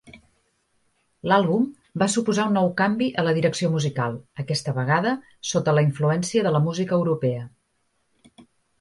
L'àlbum va suposar un nou canvi a la direcció musical, aquesta vegada sota la influència de la música europea.